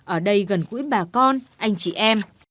ở đây gần gũi bà con anh chị em